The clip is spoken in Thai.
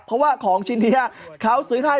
เพราะว่าของชิ้นนี้เขาซื้อให้